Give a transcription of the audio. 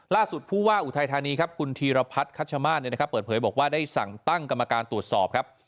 ผู้ว่าอุทัยธานีครับคุณธีรพัฒน์คัชมาศเปิดเผยบอกว่าได้สั่งตั้งกรรมการตรวจสอบครับ